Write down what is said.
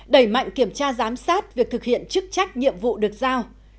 đẩy mạnh kiểm tra giám sát việc thực hiện chức trách nhiệm vụ được giao